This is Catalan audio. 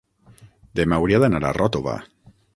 Demà hauria d'anar a Ròtova.